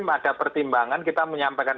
ada pertimbangan kita menyampaikan